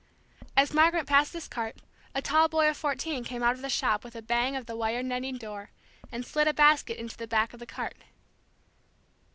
As Margaret passed this cart, a tall boy of fourteen came out of the shop with a bang of the wire netting door, and slid a basket into the back of the cart.